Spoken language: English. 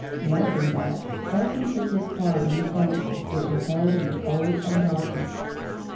More than that, Carson took his part in the council which was held in the cold and darkness.